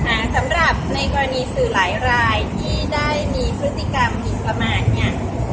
สำหรับในกรณีสื่อหลายรายที่ได้มีพฤติกรรมหมินประมาทเนี่ย